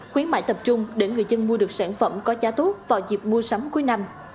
khuyến mại tập trung để người dân mua được sản phẩm có giá tốt vào dịp mua sắm cuối năm